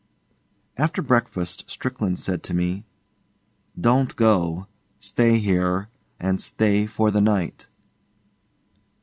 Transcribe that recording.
After breakfast Strickland said to me, 'Don't go. Stay here, and stay for the night.